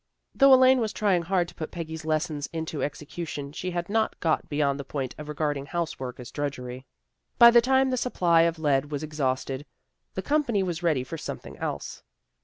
Though Elaine was trying hard to put Peggy's lessons into execution she had not got beyond the point of regarding house work as drudgery. By the time the supply of lead was exhausted the company was ready for something else.